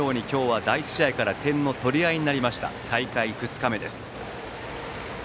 今日は第１試合から点の取り合いになった大会２日目です。